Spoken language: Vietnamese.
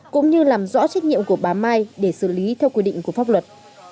cũng như làm rõ trách nhiệm của bà mai để xử lý theo quy định của pháp luật